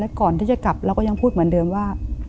ก่อนที่จะกลับเราก็ยังพูดเหมือนเดิมว่า